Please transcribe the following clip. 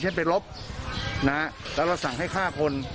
เช่นไปลบแล้วเราสั่งให้ฆ่าคน